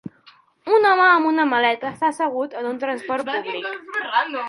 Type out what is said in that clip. Un home amb una maleta està assegut en un transport públic.